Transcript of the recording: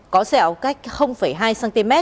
có sẹo cách hai cm